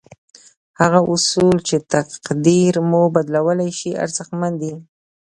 هغه اصول چې تقدير مو بدلولای شي ارزښتمن دي.